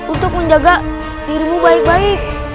untuk menjaga dirimu baik baik